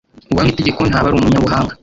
Uwanga itegeko ntaba ari umunyabuhanga,